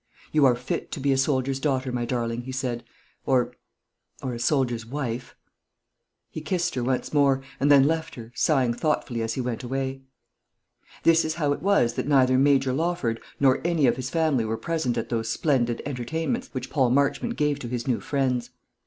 "You are fit to be a soldier's daughter, my darling," he said, "or or a soldier's wife." He kissed her once more, and then left her, sighing thoughtfully as he went away. This is how it was that neither Major Lawford nor any of his family were present at those splendid entertainments which Paul Marchmont gave to his new friends.